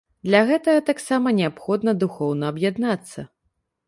Для гэтага таксама неабходна духоўна аб'яднацца.